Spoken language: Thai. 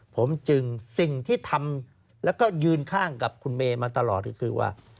ผมจึงสิ่งที่ทำแล้วก็ยืนข้างกับคุณเมย์มาตลอดก็คือว่า